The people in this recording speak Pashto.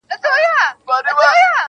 چي اې زویه اې زما د سترګو توره-